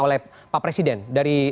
oleh pak presiden dari